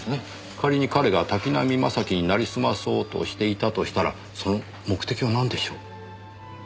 仮に彼が滝浪正輝になりすまそうとしていたとしたらその目的はなんでしょう？